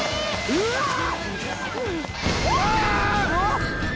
うわっ！